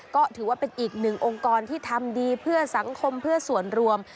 ก็ถือว่าเป็นอีกหนึ่งองค์กรที่ทำดีเพื่อสังคมเพื่อส่วนรวม